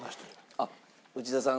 あっ内田さん。